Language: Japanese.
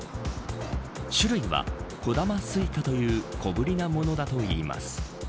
種類は、小玉スイカという小ぶりなものだといいます。